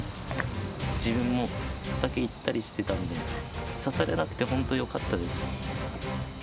自分も畑行ったりしてたんで、刺されなくて本当よかったです。